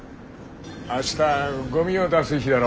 明日ゴミを出す日だろ。